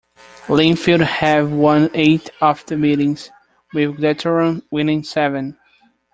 Linfield have won eight of the meetings, with Glentoran winning seven.